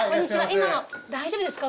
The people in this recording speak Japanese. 今大丈夫ですか？